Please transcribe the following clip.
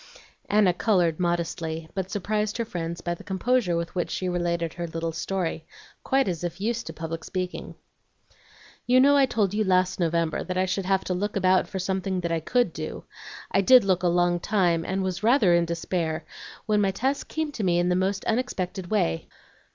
Anna colored modestly, but surprised her friends by the composure with which she related her little story, quite as if used to public speaking. "You know I told you last November that I should have to look about for something that I COULD do. I did look a long time, and was rather in despair, when my task came to me in the most unexpected way.